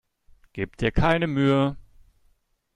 Gib dir keine Mühe!